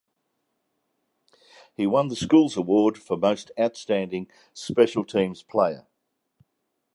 He won the school’s award for Most Outstanding Special Teams Player.